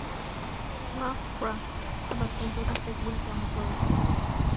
Lovecraft a las pinturas de William Blake.